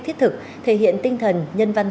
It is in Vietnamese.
thiết thực thể hiện tinh thần nhân văn